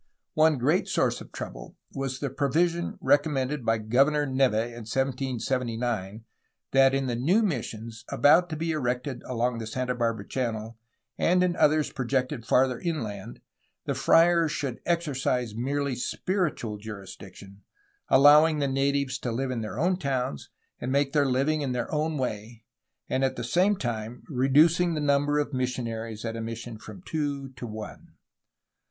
One great source of trouble was the provision recommended by Governor Neve in 1779 that in the new missions about to be erected along the Santa Barbara Channel and in others projected for farther inland the friars should exercise merely spiritual jurisdiction, allowing the natives to live in their own towns and make their living in their own way, and at the same time reducing the number of missionaries at a mission from two to one.